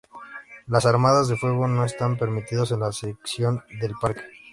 Las armas de fuego no están permitidos en la sección del parque.